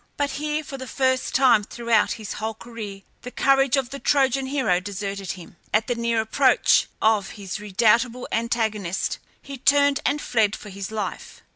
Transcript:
But here, for the first time throughout his whole career, the courage of the Trojan hero deserted him. At the near approach of his redoubtable antagonist he turned and fled for his life.